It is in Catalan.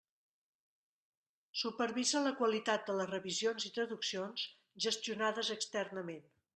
Supervisa la qualitat de les revisions i traduccions gestionades externament.